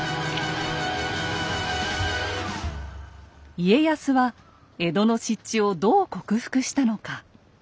家康は江戸の湿地をどう克服したのか。